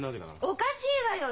おかしいわよ！